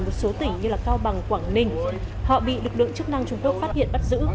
một số tỉnh như cao bằng quảng ninh họ bị lực lượng chức năng trung quốc phát hiện bắt giữ